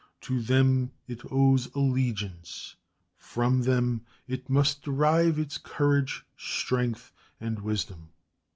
To them it owes allegiance; from them it must derive its courage, strength, and wisdom.